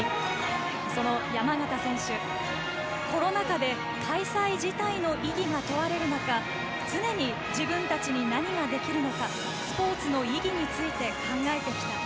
その山縣選手コロナ禍で開催自体の意義が問われる中常に自分たちに何ができるのかスポーツの意義について考えてきた。